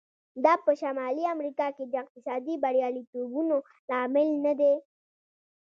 دا په شمالي امریکا کې د اقتصادي بریالیتوبونو لامل نه دی.